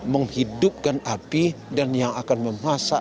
menghidupkan menjadikan dan menjadikan sejarangannya sejati